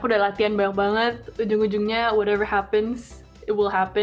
aku udah latihan banyak banget ujung ujungnya apa pun yang terjadi akan terjadi